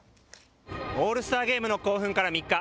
オールスターゲームの興奮から３日。